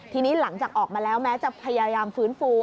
ทีนี้หลังจากออกมาแล้วแม้จะพยายามฟื้นฟู